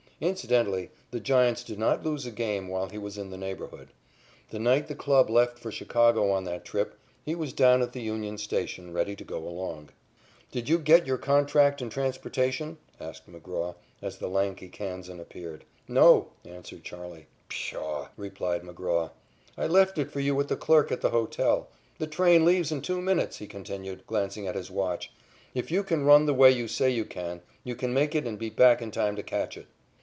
Incidentally, the Giants did not lose a game while he was in the neighborhood. The night the club left for Chicago on that trip, he was down at the Union Station ready to go along. "Did you get your contract and transportation?" asked McGraw, as the lanky Kansan appeared. "No," answered "Charley." "Pshaw," replied McGraw. "I left it for you with the clerk at the hotel. The train leaves in two minutes," he continued, glancing at his watch. "If you can run the way you say you can, you can make it and be back in time to catch it."